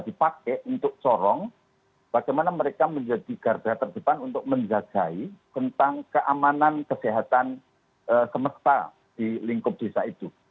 jadi kita harus mencari tempat untuk corong bagaimana mereka menjadi garda terdepan untuk menjagai tentang keamanan kesehatan semesta di lingkup desa itu